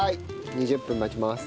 ２０分待ちます。